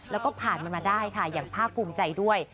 แล้วก็ผ่านมันมาได้ค่ะอย่างภาคภูมิใจด้วย